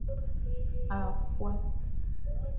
A fuat.